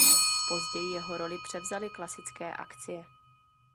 Později jeho roli převzaly klasické akcie.